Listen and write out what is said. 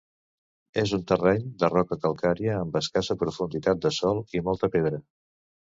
És un terreny de roca calcària amb escassa profunditat de sòl i molta pedra.